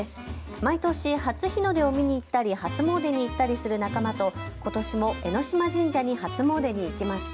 毎年、初日の出を見に行ったり初詣に行ったりする仲間とことしも江島神社に初詣に行きました。